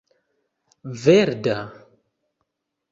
verda